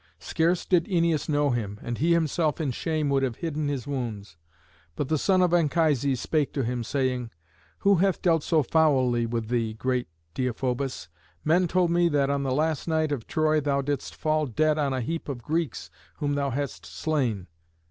Scarce did Æneas know him, and he himself in shame would have hidden his wounds; but the son of Anchises spake to him, saying, "Who hath dealt so foully with thee, great Deïphobus? Men told me that on the last night of Troy thou didst fall dead on a heap of Greeks whom thou hadst slain.